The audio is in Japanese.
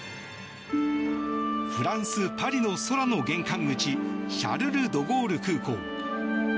フランス・パリの空の玄関口シャルル・ドゴール空港。